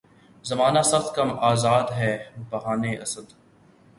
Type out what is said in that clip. زمانہ سخت کم آزار ہے بجانِ اسد